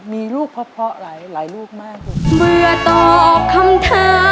มีลูกเพราะไหลไหลลูกมาก